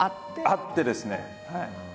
あってですね。